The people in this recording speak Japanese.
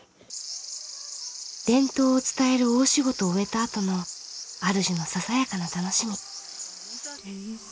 伝統を伝える大仕事を終えたあとのあるじのささやかな楽しみ。